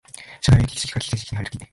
社会が有機的時期から危機的時期に入るとき、